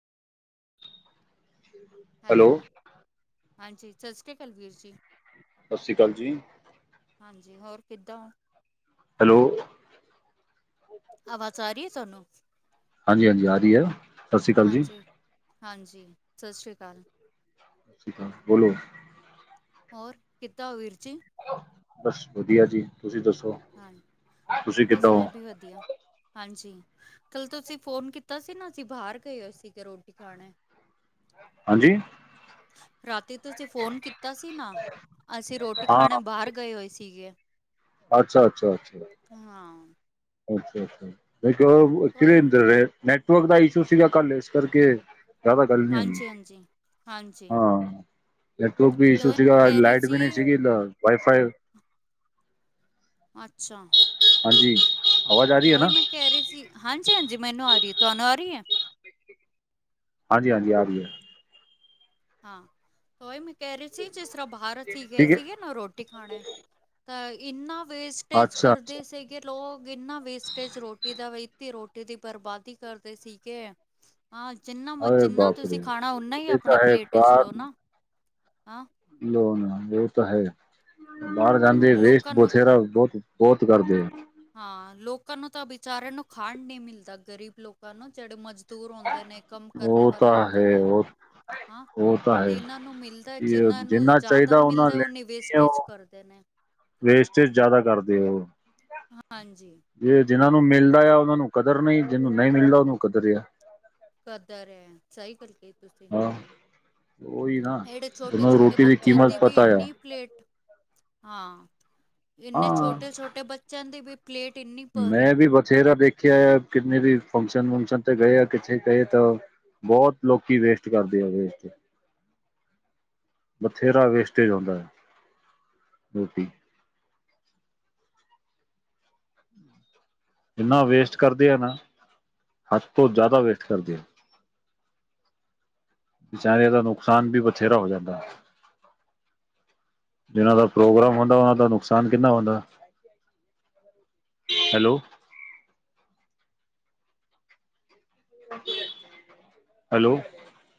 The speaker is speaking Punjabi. [inaudible] ਹੈਲੋ ਸਤਿ ਹਾਂਜੀ ਸਤਿ ਸ਼੍ਰੀ ਅਕਾਲ ਵੀਰ ਜੀ। ਸਤਿ ਸ਼੍ਰੀ ਅਕਾਲ ਜੀ। ਹਾਂਜੀ ਹੋਰ ਕਿੱਦਾਂ ਓ ਹੈਲੋ ਆਵਾਜ ਆ ਰਈ ਏ ਸਾਨੂੰ ਹਾਂਜੀ-ਹਾਂਜੀ ਆ ਰਈ ਆ। ਹਾਂਜੀ-ਹਾਂਜੀ ਸਤਿ ਸ਼੍ਰੀ ਅਕਾਲ। ਸਤਿ ਸ਼੍ਰੀ ਅਕਾਲ ਬੋਲੋ ਹੋਰ ਕਿਦਾਂ ਓ ਵੀਰ ਜੀ। ਬਸ ਵਧੀਆ ਜੀ ਤੁਸੀਂ ਦੱਸੋ। ਹਾਂ ਤੁਸੀਂ ਕਿੱਦਾਂ ਬਸ ਹੋ ਮੈਂ ਵੀ ਵਧੀਆ ਹਾਂਜੀ ਕੱਲ ਤੁਸੀਂ ਫੋਨ ਕੀਤਾ ਸੀ ਨਾ ਅਸੀਂ ਬਾਰ ਗਏ ਹੋਏ ਸੀਗੇ ਰੋਟੀ ਖਾਣੇ [inaudible] ਹਾਂਜੀ ਰਾਤੀ ਤੁਸੀ ਫੋਨ ਕੀਤਾ ਸੀ ਨਾ ਅਸੀਂ ਰੋਟੀ ਹਾਂ ਖਾਣੇ ਬਾਰ ਗਏ ਹੋਏ ਸੀਗੇ। ਅੱਛਾ-ਅੱਛਾ-ਅੱਛਾ ਹਾਂ। ਅੱਛਾ-ਅੱਛਾ ਨਈ ਕੋਈ ਕਿਵੇਂ ਅੰਦਰੇ ਨੈਟਵਰਕ ਦਾ ਇਸ਼ੂ ਸੀਗਾ ਕੱਲ ਇਸ ਕਰਕੇ ਜਾਦਾ ਗੱਲ ਨੀ ਹੁੰਦੀ ਹਾਂਜੀ ਹਾਂਜੀ ਹਾਂਜੀ ਹਾਂ। ਨੈਟਵਰਕ ਵੀ ਤੇ ਇਸ਼ੂ ਉਹੀ ਮੈਂ ਸੀਗਾ ਕਹਿ ਰਹੀ ਲਾਈਟ ਵੀ ਨਈ ਸੀ ਸੀਗੀ ਦਾ ਵਾਈਫਾਈ ਅੱਛਾ ਹਾਂਜੀ ਆਵਾਜ਼ ਆ ਤੇ ਰਹੀ ਹੈ ਨਾ ਓਹੀ ਮੈਂ ਕਹਿ ਰਈ ਸੀ ਹਾਂਜੀ-ਹਾਂਜੀ ਮੈਨੂੰ ਆ ਰਈ ਏ ਤੁਹਾਨੂੰ ਆ ਰਈ ਏ। ਹਾਂਜੀ-ਹਾਂਜੀ ਆ ਰਈ ਏ। ਹਾਂ ਤੋ ਓਹੀ ਮੈਂ ਕਹਿ ਰਈ ਸੀ ਜਿਸ ਤਰ੍ਹਾਂ ਬਾਰ ਅਸੀਂ ਗਏ ਠੀਕ ਹੈ ਸੀਗੇ ਨਾ ਰੋ ਟੀ ਖਾਣੇ ਤਾਂ ਇੰਨਾ ਵੇਸਟੇਜ ਅੱਛਾ ਅੱਛਾ ਕਰਦੇ ਸੀ। ਕਿ ਲੋਗ ਇੰਨਾ ਵੇਸਟੇਜ ਰੋਟੀ ਦਾ ਵੀ ਇੱਤੀ ਰੋਟੀ ਦੀ ਬਰਬਾਦੀ ਕਰਦੇ ਸੀਗੇ। ਹਾਂ ਜਿੰਨਾ ਮ ਅਰੇ ਜਿੰਨਾ ਬਾਪ ਰੇ ਤੁਸੀਂ ਖਾਣਾ ਉਨਾ ਈ ਇਹ ਆਪਣੇ ਤਾਂ ਹੈ ਪਲੇਟ 'ਚ ਲਓ ਬਾਹਰ ਨਾ ਹਾਂ। ਲੋ ਨਾ ਓ ਤਾ ਹੈ ਬਾਰ ਹਾਂ ਜਾਂਦੇ ਵੇਸਟ ਲੋਕਾਂ ਨੂੰ ਬਥੇਰਾ ਬੋਤ ਬੋਤ ਕਰਦੇ ਆ। ਹਾਂ ਲੋਕਾਂ ਨੂੰ ਤਾਂ ਵਿਚਾਰਿਆਂ ਨੂੰ ਖਾਣ ਨੀ ਮਿਲਦਾ ਗਰੀਬ ਲੋਕਾਂ ਨੂੰ ਜੇੜੇ ਮਜ ਦੂਰ ਹੁੰਦੇ ਨੇ ਕੰਮ ਕਰਨੇ ਉਹ ਵਾਲੇ ਤਾਂ ਹੁੰਦੇ ਹੈ ਨੇ। ਉਹ ਹਾਂ ਉਹ ਤਾਂ ਤੇ ਹੈ ਇਹਨਾਂ ਨੂੰ ਮਿਲਦਾ ਇਹ ਜਿਹਨਾਂ ਨੂੰ ਜਿੰਨਾ ਚਾਹੀਦਾ ਜਾਦਾ ਉਹਨਾਂ ਮਿਲਦਾ ਉਹਨੀ ਲੈ ਵੇਸਟੇਜ ਉਹ ਕਰਦੇ ਨੇ। ਵੇਸਟੇਜ ਜਾਦਾ ਕਰਦੇ ਓ ਹਾਂਜੀ ਜੇ ਜਿਹਨਾਂ ਨੂੰ ਮਿਲਦਾ ਆ ਉਹਨਾਂ ਨੂੰ ਕਦਰ ਨਈ ਜਿਨੂੰ ਨਈ ਮਿਲਦਾ ਉਨੂੰ ਕਦਰ ਆ। ਕਦਰ ਐ ਸਈ ਗੱਲ ਕਈ ਤੁਸੀਂ ਹਾਂ ਉਹੀ ਨਾ ਏੜੇ ਉਹਨੂੰ ਛੋਟੇ-ਛੋਟੇ ਰੋਟੀ ਬੱਚਿਆਂ ਦੀ ਕੀਮਤ ਵੀ ਪਤਾ ਆ ਇੰਨੀ ਪਲੇਟ ਹਾਂ ਇੰਨੇ ਹਾਂ ਛੋਟੇ-ਛੋਟੇ ਬੱਚਿਆਂ ਦੀ ਵੀ ਪਲੇਟ ਇੰਨੀ ਭਰੀ ਮੈਂ ਵੀ ਬਥੇਰਾ ਦੇਖਿਆ ਕਿੰਨੇ ਵੀ ਫੰਕਸ਼ਨ ਵੰਕਸ਼ਨ ਤੇ ਗਏ ਕਿਥੇ ਗਏ ਤਾਂ ਬਹੁਤ ਲੋਕੀ ਵੇਸਟ ਕਰਦੇ ਆ ਵੇਸਟ ਬਥੇਰਾ ਵੇਸਟੇਜ ਹੁੰਦਾ ਹੈ ਰੋਟੀ ਇੰਨਾ ਵੇਸਟ ਕਰਦੇ ਆ ਨਾ ਹੱਥ ਤੋਂ ਜ਼ਿਆਦਾ ਵੇਸਟ ਕਰਦੇ ਆ ਬਚਾਰਿਆਂ ਦਾ ਨੁਕਸਾਨ ਵੀ ਬਥੇਰਾ ਹੋ ਜਾਂਦਾ ਹੈ। ਜਿਹਨਾਂ ਦਾ ਪ੍ਰੋਗਰਾਮ ਹੁੰਦਾ ਉਹਨਾਂ ਦਾ ਨੁਕਸਾਨ ਕਿੰਨਾ ਹੁੰਦਾ ਹੈਲੋ ਹੈਲੋ